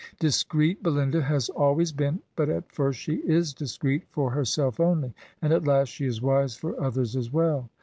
Discreet Belinda has always been, but at first she is discreet for herself only; and at last she is wise for others as well.